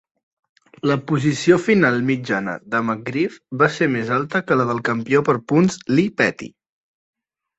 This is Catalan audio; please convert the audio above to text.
La posició final mitjana de McGriff va ser més alta que la del campió per punts Lee Petty.